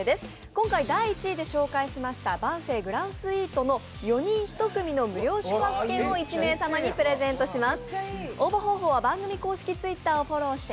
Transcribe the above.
今回第１位で紹介しました晩成グランドスイートの４人１組の無料宿泊券を１名様にプレゼントします。